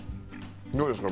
どうですか？